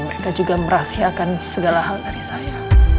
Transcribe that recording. mereka juga merahasiakan segala hal dari saya